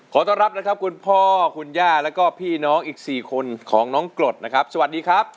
ขอต้อนรับนะครับคุณพ่อคุณย่าแล้วก็พี่น้องอีก๔คนของน้องกรดนะครับสวัสดีครับ